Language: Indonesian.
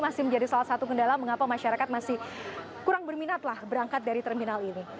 masih menjadi salah satu kendala mengapa masyarakat masih kurang berminat lah berangkat dari terminal ini